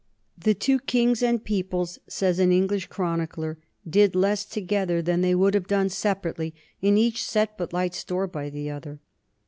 " The two kings and peoples," says an English chronicler, "did less to gether than they would have done separately, and each set but light store by the other."